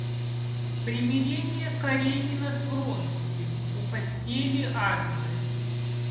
Примирение Каренина с Вронским у постели Анны.